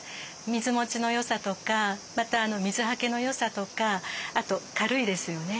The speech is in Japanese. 水もちの良さとかまた水はけの良さとかあと軽いですよね。